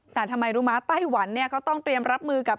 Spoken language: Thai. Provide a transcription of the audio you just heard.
แต่ทำไมรู้มั้หวันเนี่ยก็ต้องเตรียมรับมือกับ